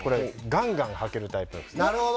ガンガン履けるタイプの靴です。